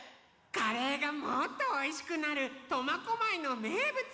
カレーがもっとおいしくなる苫小牧のめいぶつもってきたよ！